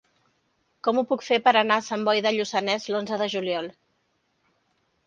Com ho puc fer per anar a Sant Boi de Lluçanès l'onze de juliol?